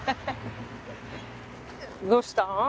どうしたん？